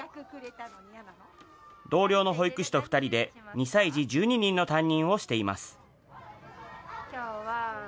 同僚の保育士と２人で、２歳児１２人の担任をしています。